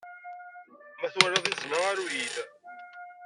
Ma twalad izen-a, aru-iyi-d.